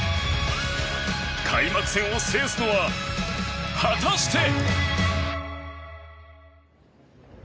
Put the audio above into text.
開幕戦を制すのは、果たして？